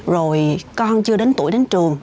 rồi con chưa đến tuổi đến trường